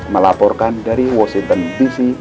melaporkan dari washington dc